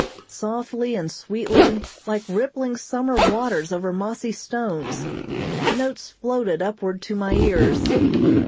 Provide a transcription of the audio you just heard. Softly and sweetly, like rippling summer waters over mossy stones, the notes floated upward to my ears.